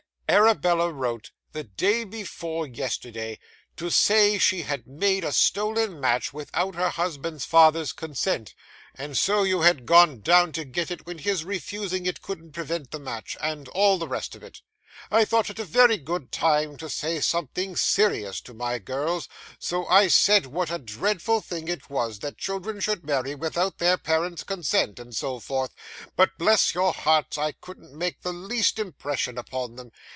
'Arabella wrote, the day before yesterday, to say she had made a stolen match without her husband's father's consent, and so you had gone down to get it when his refusing it couldn't prevent the match, and all the rest of it. I thought it a very good time to say something serious to my girls; so I said what a dreadful thing it was that children should marry without their parents' consent, and so forth; but, bless your hearts, I couldn't make the least impression upon them.